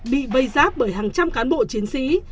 bị vây giáp bởi hàng trăm cán bộ chiến sĩ